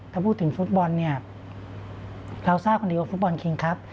ถ้าพูดถึงฟุตบอลเราทราบว่าฟุตบอลคิงครับ